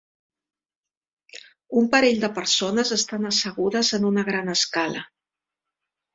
Un parell de persones estan assegudes en una gran escala.